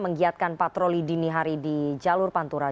menggiatkan patroli dini hari di jalur pantura